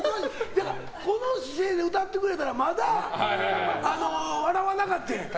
だからこの姿勢で歌ってくれたらまだ笑わなかってん。